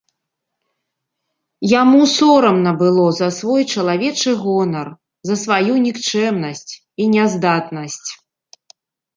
Яму сорамна было за свой чалавечы гонар, за сваю нікчэмнасць і няздатнасць.